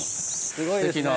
すてきな。